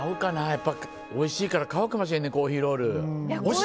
やっぱりおいしいから買うかもしれん珈琲ロール。